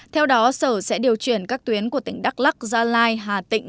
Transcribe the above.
theo đó sở sẽ điều chuyển các tuyến của tỉnh đắk lắc gia lai hà tĩnh